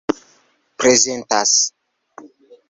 prezentas